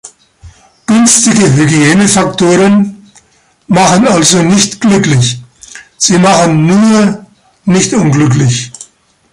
Günstige Hygiene-Faktoren machen also nicht glücklich, sie machen „nur“ nicht unglücklich.